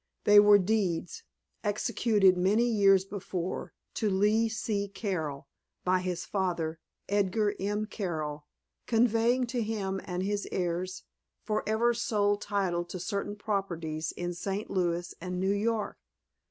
They were deeds, executed many years before, to Lee C. Carroll, by his father, Edgar M. Carroll, conveying to him and his heirs forever sole title to certain properties in St. Louis and New York.